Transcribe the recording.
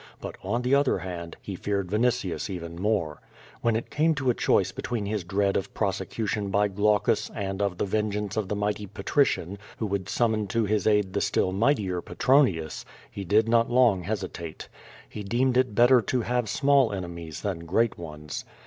But, on the other hand, he feared Vinitius even more. XVhen it came to a choice between his dread of prosecution by Olaueus and of the vengeance of the mighty patrician, who would summon to his aid the still mightier Petronius, he did not long hesitate. He deemed it beUer to have small enemies than great ones.